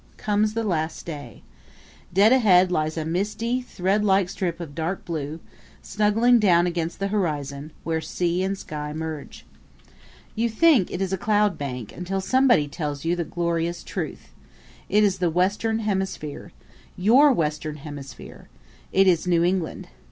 Comes the last day. Dead ahead lies a misty, thread like strip of dark blue, snuggling down against the horizon, where sea and sky merge. You think it is a cloud bank, until somebody tells you the glorious truth. It is the Western Hemisphere your Western Hemisphere. It is New England.